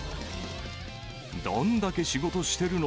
どんだけ仕事してるの？